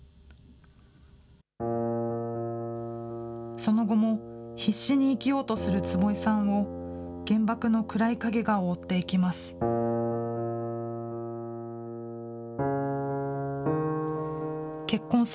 その後も、必死に生きようとする坪井さんを、原爆の暗い影が覆っていきます。